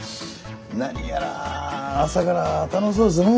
何やら朝から楽しそうですね。